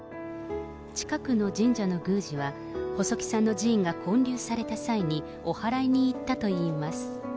近くの神社の宮司は、細木さんの寺院が建立された際に、おはらいに行ったといいます。